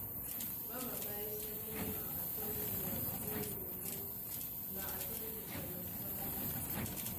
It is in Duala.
Ɓá maɓáísɛ́ mɔ́ ŋga a tɔ́ndi wala ó loŋgó ŋga a tɔ́ndi ja na sáŋgó.